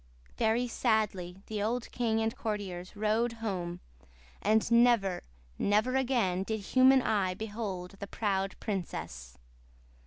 Very sadly the old king and courtiers rode home, and never, never again did human eye behold the proud princess.